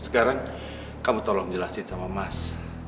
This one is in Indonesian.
sekarang kamu tolong jelasin sama mas